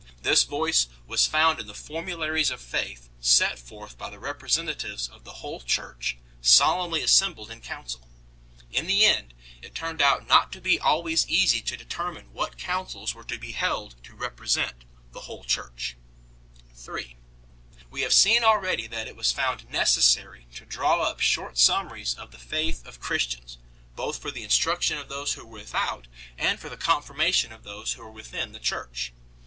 This voice was found in the formularies of faith set forth by the representatives of the whole Church solemnly assembled in council. In the end, it turned out not to be always easy to determine what councils were to be held to represent the whole Church 2 . 3. We have seen already 3 that it was found necessary to draw up short summaries of the faith of Christians, both for the instruction of those who were without and for the confirmation of those who were within the Church.